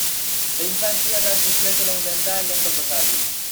The infantry attack took place along the entire length of the valley.